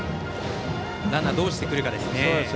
ランナー、どうしてくるかですね。